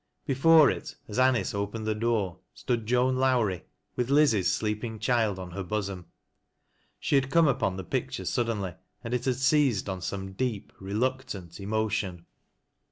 Befoi e it, as Anice opened the door, stood Joan Lowrie, with Liz's sleeping child on her bosom. She had come upon the picture suddenly, and it had seized on •ome deep, reluctant emotion.